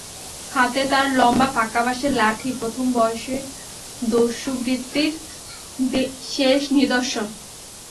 হাতে তার লম্বা পাকাবাঁশের লাঠি, প্রথম বয়সের দস্যুবৃত্তির শেষ নিদর্শন।